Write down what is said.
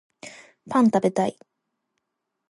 パン食べたい